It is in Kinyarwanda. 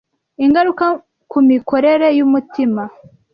ingaruka ku mikorere y’umutima